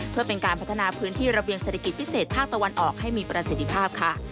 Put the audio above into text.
เพื่อเป็นการพัฒนาพื้นที่ระเบียงเศรษฐกิจพิเศษภาคตะวันออกให้มีประสิทธิภาพค่ะ